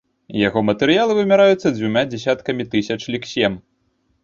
Яго матэрыялы вымяраюцца дзвюма дзясяткамі тысяч лексем.